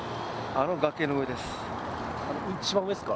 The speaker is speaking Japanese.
あの崖の上です。